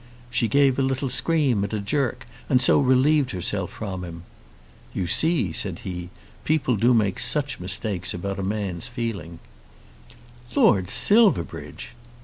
She gave a little scream and a jerk, and so relieved herself from him. "You see," said he, "people do make such mistakes about a man's feelings." "Lord Silverbridge!"